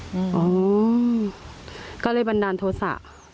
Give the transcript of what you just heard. มีวันนั้นเลยบันดาลโทษะ